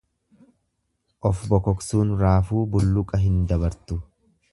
Ofbobbokoksuun raafuu bulluqa hin dabartu.